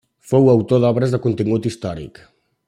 Fou autor d'obres de contingut històric.